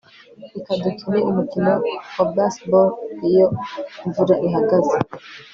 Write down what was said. Reka dukine umukino wa baseball iyo imvura ihagaze